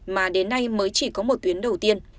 mà đến nay mới chỉ có một tuyến đầu tiên